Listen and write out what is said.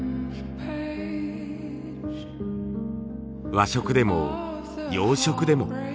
和食でも洋食でも。